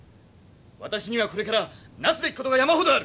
私にはこれから成すべきことが山ほどある。